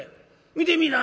見てみぃな。